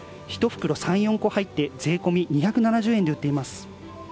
１袋３４個入って税込み２７０円で売っています。